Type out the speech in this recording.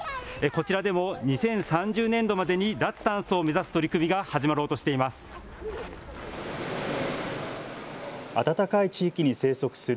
こちらでも２０３０年度までに脱炭素を目指す取り組みが始まろうとしています。